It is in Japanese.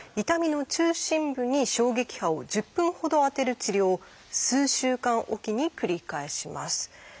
痛みの中心部に衝撃波を１０分ほど当てる治療を数週間おきに繰り返します。